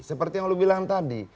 seperti yang lo bilang tadi